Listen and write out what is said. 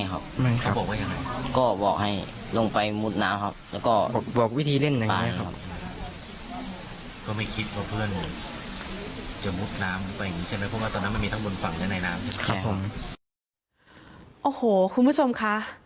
เหตุการณ์ในเรื่องนี้นะครับ